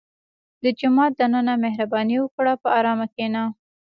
• د جومات دننه مهرباني وکړه، په ارام کښېنه.